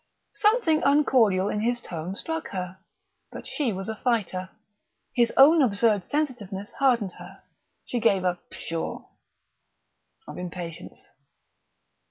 Something uncordial in his tone struck her; but she was a fighter. His own absurd sensitiveness hardened her. She gave a "Pshaw!" of impatience.